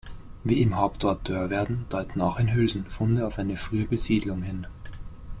Wie im Hauptort Dörverden deuten auch in Hülsen Funde auf eine frühe Besiedlung hin.